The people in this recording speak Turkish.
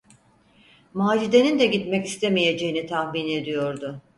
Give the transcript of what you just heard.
Macide’nin de gitmek istemeyeceğini tahmin ediyordu.